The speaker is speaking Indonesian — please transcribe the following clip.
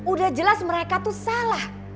udah jelas mereka tuh salah